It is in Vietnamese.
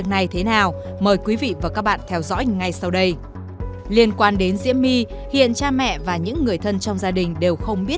cảm ơn các bạn đã theo dõi